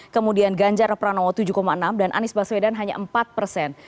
kemudian ganjar pranowo tujuh enam dan anies baswedan hanya empat persen